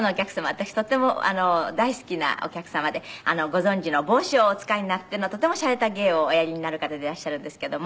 私とっても大好きなお客様でご存じの帽子をお使いになってのとてもしゃれた芸をおやりになる方でいらっしゃるんですけれども。